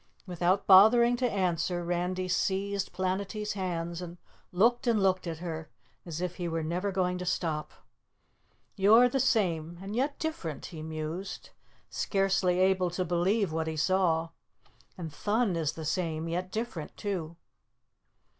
Without bothering to answer, Randy seized Planetty's hands and looked and looked at her as if he were never going to stop. "You're the same, and yet different," he mused, scarcely able to believe what he saw. "And Thun is the same, yet different, too."